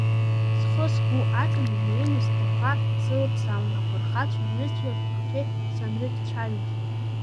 Схы-сгәы аҵанӡа инеины сдақәа сылԥсаауан афырхацәа рҩызцәеи рҭахцәеи санрыҿцәажәоз.